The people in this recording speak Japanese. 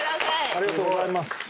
ありがとうございます。